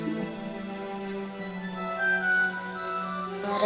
berikan itu kepada resi